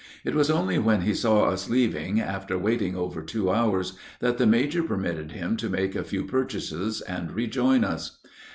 It was only when he saw us leaving, after waiting over two hours, that the major permitted him to make a few purchases and rejoin us.